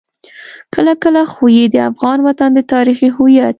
کله کله خو يې د افغان وطن د تاريخي هويت.